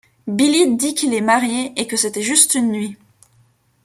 Billy dit qu'il est marié et que c'était juste une nuit.